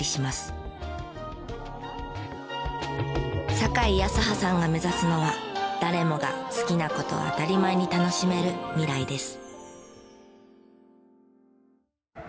酒井泰葉さんが目指すのは誰もが好きな事を当たり前に楽しめる未来です。